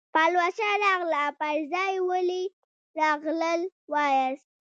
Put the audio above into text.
پلوشه راغله پر ځای ولې راغلل وایاست.